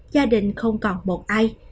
gia đình không còn một ai